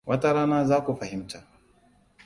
Wata rana za ku fahimta.